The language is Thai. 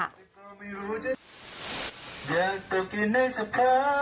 มันไม้เด็กอ่ะเนาะ